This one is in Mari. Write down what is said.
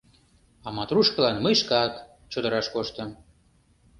А матрушкылан мый шкак чодыраш коштым.